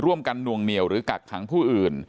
ร่วมกันนวงเหนี่ยวหรือกักขังผู้อื่น